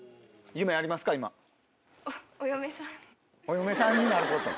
「お嫁さんになること」